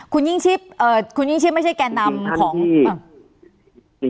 คุณยิ่งชิบไม่ใช่แก่นำของ